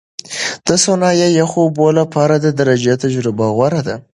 د سونا یا یخو اوبو لپاره تدریجي تجربه غوره ده.